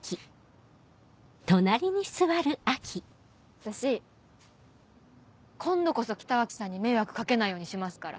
私今度こそ北脇さんに迷惑かけないようにしますから。